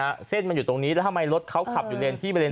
เส้นมันอยู่ตรงนี้แล้วทำไมรถเขาขับอยู่เลนที่บริเวณ